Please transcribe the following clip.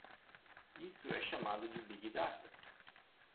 Isso é chamado de big data.